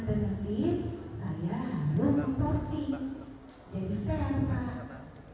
kemudian bagaimana saudara